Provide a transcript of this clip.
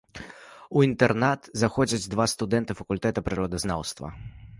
У інтэрнат заходзяць два студэнты факультэта прыродазнаўства.